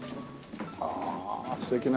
ああ素敵な。